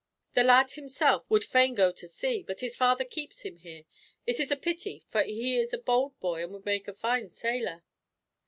The lad himself would fain go to sea, but his father keeps him here. It is a pity, for he is a bold boy, and would make a fine sailor."